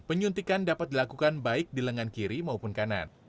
penyuntikan dapat dilakukan baik di lengan kiri maupun kanan